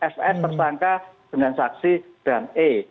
fs tersangka dengan saksi dan e